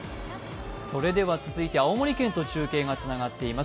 続いて青森県と中継がつながっています。